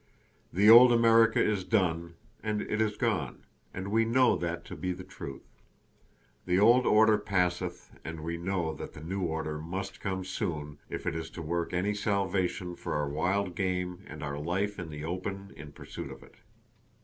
The old America is done and it is gone, and we know that to be the truth. The old order passeth, and we know that the new order must come soon if it is to work any salvation for our wild game and our life in the open in pursuit of it.